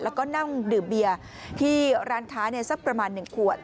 แล้วก็นั่งดื่มเบียร์ที่ร้านค้าสักประมาณ๑ขวด